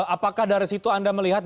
apakah dari situ anda melihat